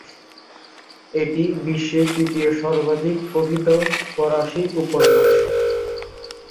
এটি বিশ্বের তৃতীয় সর্বাধিক পঠিত ফরাসি উপন্যাস।